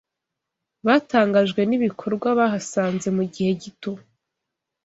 Batangajwe n’ibikorwa bahasanze mugihe gato